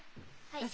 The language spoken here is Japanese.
はい。